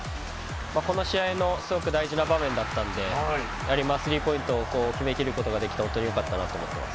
この試合のすごく大事な場面だったんで、スリーポイントを決めきれることができて本当によかったと思います。